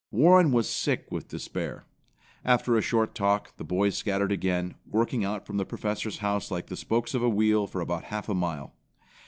Warren was sick with despair. After a short talk, the boys scattered again, working out from the Professor's house like the spokes of a wheel for about half a mile.